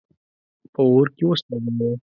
په اور کي وسوځاوه.